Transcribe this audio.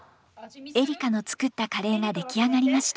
エリカの作ったカレーが出来上がりました。